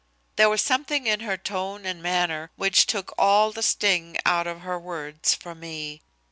There was something in her tone and manner which took all the sting out of her words for me.